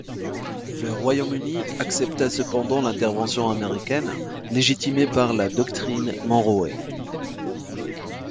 Le Royaume-Uni accepta cependant l'intervention américaine, légitimée par la doctrine Monroe.